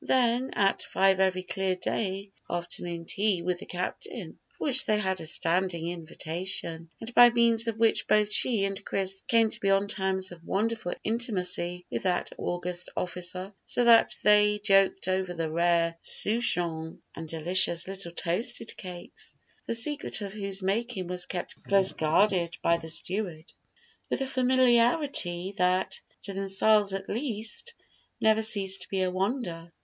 Then, at five every clear day, afternoon tea with the captain, for which they had a standing invitation, and by means of which both she and Chris came to be on terms of wonderful intimacy with that august officer, so that they joked over the rare souchong and delicious little toasted cakes (the secret of whose making was kept close guarded by the steward) with a familiarity that, to themselves at least, never ceased to be a wonder.